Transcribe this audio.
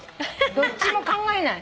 どっちも考えない。